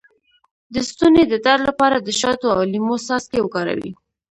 د ستوني د درد لپاره د شاتو او لیمو څاڅکي وکاروئ